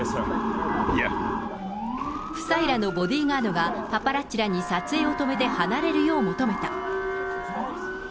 夫妻らのボディーガードがパパラッチらに撮影を止めて離れるよう求めた。